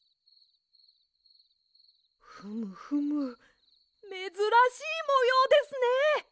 フムフムめずらしいもようですね！